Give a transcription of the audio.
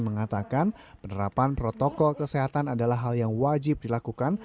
mengatakan penerapan protokol kesehatan adalah hal yang wajib dilakukan